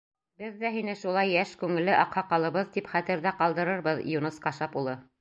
Беҙ ҙә һине шулай йәш күңелле аҡһаҡалыбыҙ тип хәтерҙә ҡалдырырбыҙ, Юныс Кашап улы.